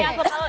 ini aku tau